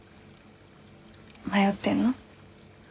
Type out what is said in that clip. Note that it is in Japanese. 迷ってんの？